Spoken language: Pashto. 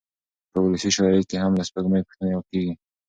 په ولسي شاعرۍ کې هم له سپوږمۍ پوښتنې کېږي.